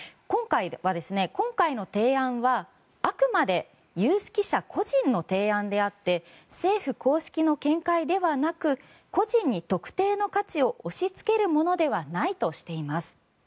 今回の提案はあくまで有識者個人の提案であって政府公式の見解ではなく個人に特定の価値を押しつけるものではないとしています。